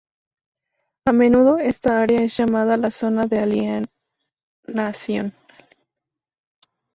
A menudo esta área es llamada la "zona de alienación.